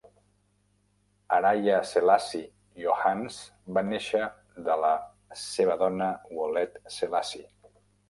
Araya Selassie Yohannes va néixer de la seva dona Wolete Selassie.